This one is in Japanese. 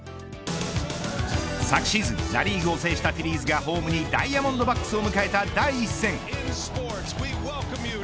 昨シーズン、ナ・リーグを制したフィリーズがホームにダイヤモンドバックスを迎えた第１戦。